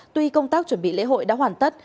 tuy công tác chuẩn bị lễ hội đã hoàn tất